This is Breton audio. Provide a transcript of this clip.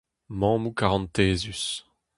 Mammoù karantezus.